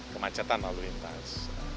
kemacetan lalu lintas